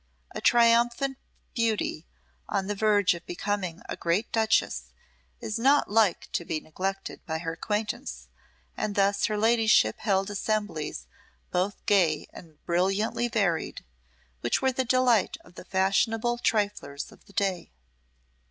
A triumphant beauty on the verge of becoming a great duchess is not like to be neglected by her acquaintance, and thus her ladyship held assemblies both gay and brilliantly varied, which were the delight of the fashionable triflers of the day.